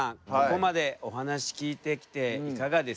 ここまでお話聞いてきていかがですか。